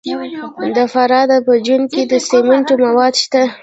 د فراه په جوین کې د سمنټو مواد شته.